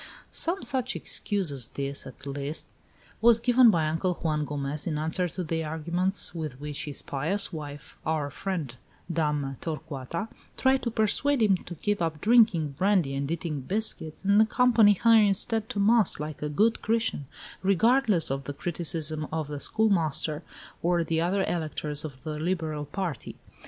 Some such excuse as this, at least, was given by Uncle Juan Gomez in answer to the arguments with which his pious wife, our friend, Dame Torcuata, tried to persuade him to give up drinking brandy and eating biscuits, and accompany her, instead, to mass, like a good Christian, regardless of the criticisms of the schoolmaster or the other electors of the liberal party.